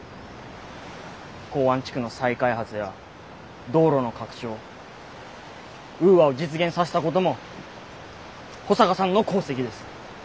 港湾地区の再開発や道路の拡張ウーアを実現させたことも保坂さんの功績です。